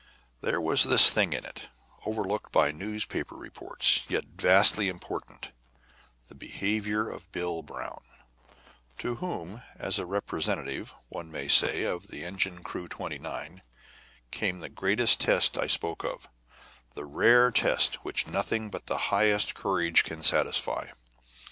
There was this thing in it, overlooked by newspaper reports, yet vastly important, the behavior of Bill Brown, to whom, as a representative, one may say, of engine crew 29, came the great test I spoke of, the rare test which nothing but the highest courage can satisfy.